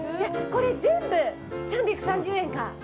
これ、全部３３０円か。